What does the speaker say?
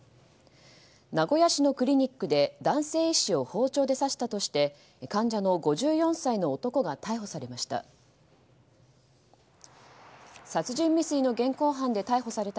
名古屋市のクリニックで男性医師を包丁で刺したとして患者の５４歳の男が逮捕されました。